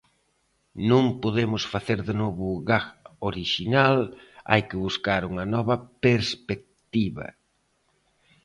Non podemos facer de novo o gag orixinal, hai que buscar unha nova perspectiva.